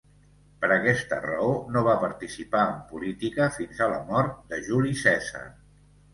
Per aquesta raó no va participar en política fins a la mort de Juli Cèsar.